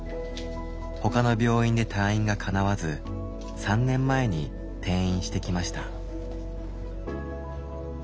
ほかの病院で退院がかなわず３年前に転院してきました。